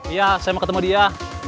iya saya mau ketemu dia